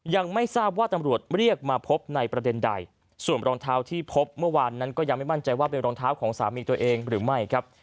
ยังไม่ทราบว่าตำรวจเรียกมาพบในประเด็นใดส่วนรองเท้าที่พบเมื่อวานนั้นก็ยังไม่มั่นใจว่าเป็นรองเท้าของสามีตัวเองหรือไม่ครับ